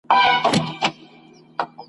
چي فرنګ ته یادوي د امان توره !.